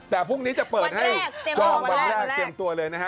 แต่พรุ่งนี้จะเปิดให้จองวันแรกเตรียมตัวเลยนะฮะ